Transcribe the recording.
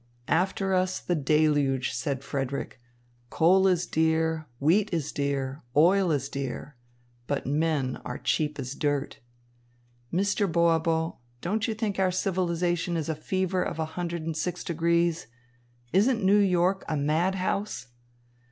"After us the deluge," said Frederick. "Coal is dear, wheat is dear, oil is dear, but men are cheap as dirt. Mr. Boabo, don't you think our civilisation is a fever of a hundred and six degrees? Isn't New York a mad house?"